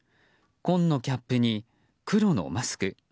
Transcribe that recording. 紺のキャップに黒のマスク。